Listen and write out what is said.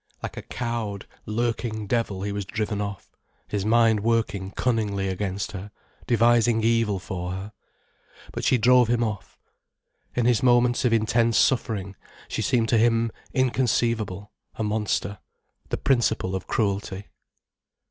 Like a cowed, lurking devil he was driven off, his mind working cunningly against her, devising evil for her. But she drove him off. In his moments of intense suffering, she seemed to him inconceivable, a monster, the principle of cruelty.